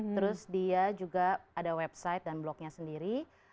terus dia juga ada website dan blognya sendiri